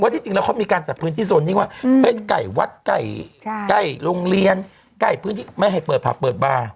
ที่จริงแล้วเขามีการจัดพื้นที่โซนนิ่งว่าเฮ้ยไก่วัดใกล้โรงเรียนใกล้พื้นที่ไม่ให้เปิดผับเปิดบาร์